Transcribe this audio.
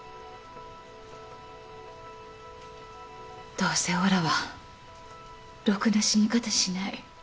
どうせおらはろくな死に方しない。